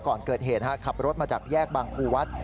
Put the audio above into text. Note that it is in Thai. ก่อนเกิดเหตุครับขับรถมาจากแยกบังฑุวัฒน์